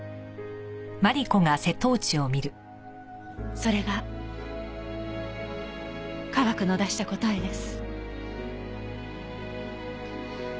それが科学の出した答えです。